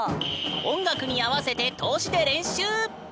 音楽に合わせて通しで練習！